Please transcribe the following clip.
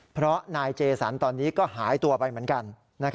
เพราะนายเจสันตอนนี้ก็หายตัวไปเหมือนกัน